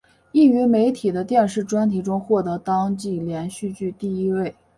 亦于媒体的电视专题中获得当季连续剧第一位。